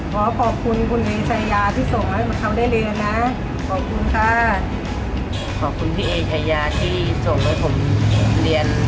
ขอขอบคุณคุณเอชายาที่ส่งให้เขาได้เรียนนะขอบคุณค่ะขอบคุณพี่เอชายาที่ส่งให้ผมเรียน